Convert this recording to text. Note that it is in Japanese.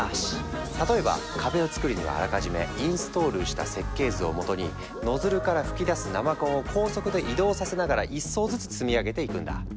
例えば壁をつくるにはあらかじめインストールした設計図をもとにノズルから噴き出す生コンを高速で移動させながら１層ずつ積み上げていくんだ。